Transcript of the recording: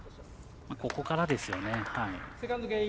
ここからですよね。